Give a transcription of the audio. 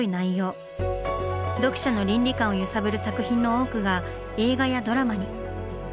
読者の倫理観を揺さぶる作品の多くが映画やドラマに。